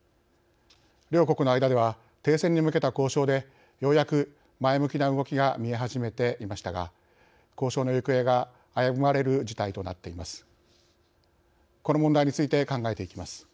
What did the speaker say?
両国の間では停戦に向けた交渉でようやく前向きな動きが見え始めていましたが交渉の行方が危ぶまれる事態となっています。